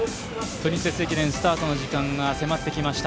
プリンセス駅伝、スタートの時間が迫ってきました。